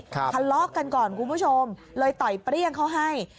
ทะเลาะกันก่อนคุณผู้ชมเลยต่อยเปรี้ยงเขาให้